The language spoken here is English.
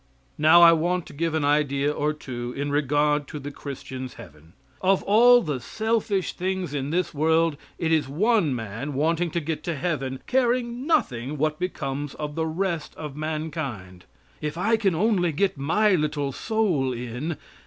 Now, I want to give an idea or two in regard to the Christian's heaven. Of all the selfish things in this world, it is one man wanting to get to heaven, caring nothing what becomes of the rest of mankind. "If I can only get my little soul in."